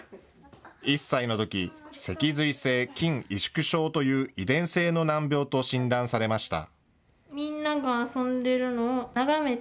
１歳のとき、脊髄性筋萎縮症という遺伝性の難病と診断されました。